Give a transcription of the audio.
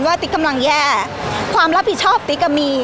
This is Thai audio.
ติ๊กกำลังแย่ความรับผิดชอบติ๊กอ่ะมี